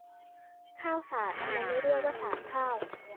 ข้าวสาร ทำไมไม่เรียกว่าสารข้าว